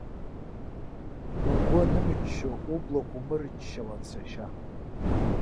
Угәы анымччо ублақәа умырччалан, сашьа!